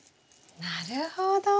なるほど。